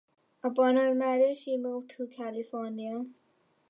Upon her marriage, she moved to California.